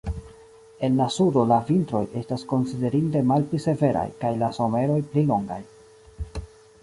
En la sudo la vintroj estas konsiderinde malpli severaj kaj la someroj pli longaj.